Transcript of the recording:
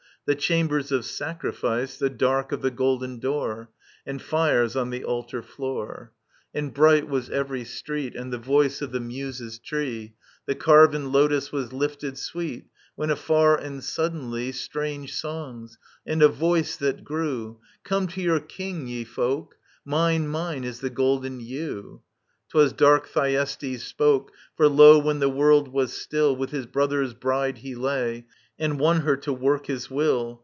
The chambers of sacrifice. The dark of the golden door. And fires on the altar floor. And bright was every street. And the voice of the Muses* tree. The carven lotus, was lifted sweet ; When afar and suddenly. Strange songs, and a voice that grew : Comc to your king, ye folk ! Mine, mine, is the Golden Ewe !*Twas dark Thyestes spoke. For, lo, when the world was still. With his brother's bride he ky. And won her to work his will.